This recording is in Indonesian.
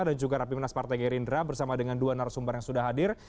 dan juga rapimnas partai gerindra bersama dengan dua narasumber yang sudah hadir